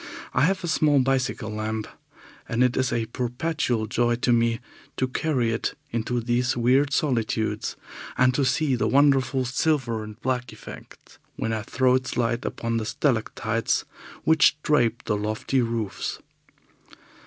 I have a small bicycle lamp, and it is a perpetual joy to me to carry it into these weird solitudes, and to see the wonderful silver and black effect when I throw its light upon the stalactites which drape the lofty roofs.